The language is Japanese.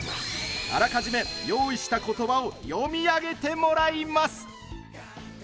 あらかじめ用意した言葉を読み上げてもらいます。